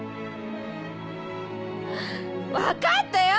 分かったよ！